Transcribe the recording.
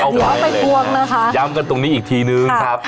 เอาขวาไปทวงนะคะย้ำกันตรงนี้อีกทีนึงครับ